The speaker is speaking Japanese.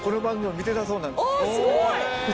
あすごい！